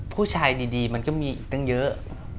ผู้ชายดีมันก็มีอีกตั้งเยอะ